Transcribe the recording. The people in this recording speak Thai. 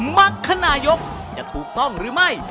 มักคณายกจะถูกต้องหรือไม่